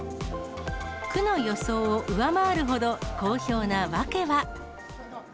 区の予想を上回るほど好評な訳は。